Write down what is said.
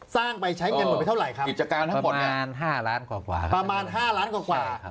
สร้างไปใช้เงินหมดไปเท่าไหร่ครับประมาณ๕ล้านกว่า